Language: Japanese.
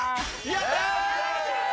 やった！